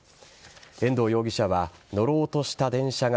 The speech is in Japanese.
遠藤容疑者は乗ろうとした電車が